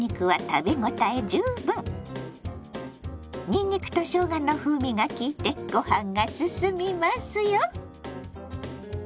にんにくとしょうがの風味がきいてごはんがすすみますよ！